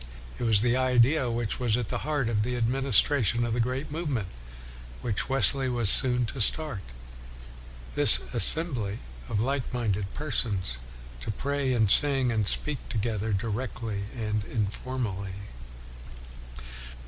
It was the idea which was at the heart of the administration of the great movement which Wesley was 3o6 WESLEY soon to start this assembly of like minded persons to pray and sing and speak to gether directly and informally.